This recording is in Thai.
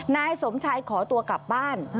นายสมชายขอตัวกลับบ้าน